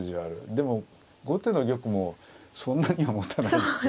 でも後手の玉もそんなにはもたないです。